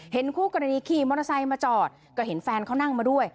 คู่กรณีขี่มอเตอร์ไซค์มาจอดก็เห็นแฟนเขานั่งมาด้วย